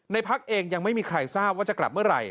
พักเองยังไม่มีใครทราบว่าจะกลับเมื่อไหร่